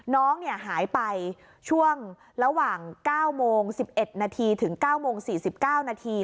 น้องหายไปช่วงระหว่าง๙โมง๑๑นาทีถึง๙โมง๔๙นาที